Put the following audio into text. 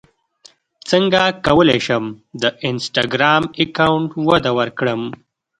څنګه کولی شم د انسټاګرام اکاونټ وده ورکړم